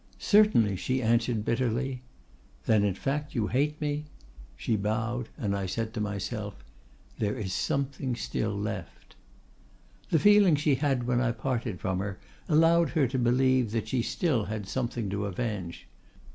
'—'Certainly,' she answered bitterly.—'Then, in fact, you hate me?'—She bowed, and I said to myself, 'There is something still left!' "The feeling she had when I parted from her allowed her to believe that she still had something to avenge.